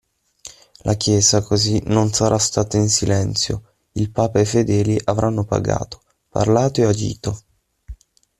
La Chiesa così non sarà stata in silenzio: il Papa e i fedeli avranno pregato, parlato e agito.